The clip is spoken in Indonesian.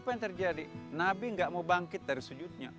apa yang terjadi nabi gak mau bangkit dari sujudnya